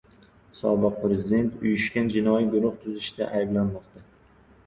Sobiq prezident uyushgan jinoiy guruh tuzishda ayblanmoqda